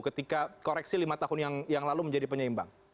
ketika koreksi lima tahun yang lalu menjadi penyeimbang